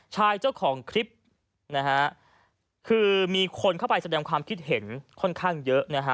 เจ้าของคลิปนะฮะคือมีคนเข้าไปแสดงความคิดเห็นค่อนข้างเยอะนะฮะ